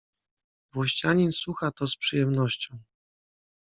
"Włościanin słucha to z przyjemnością“."